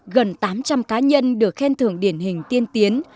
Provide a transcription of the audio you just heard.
gần tám trăm linh cá nhân được khen thưởng điển hình tiên tiến